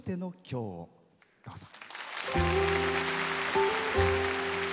どうぞ。